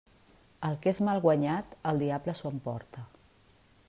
El que és mal guanyat, el diable s'ho emporta.